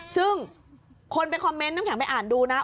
ซึ่งคนไปคอมเมนต์น้ำแข็งไปอ่านดูนะ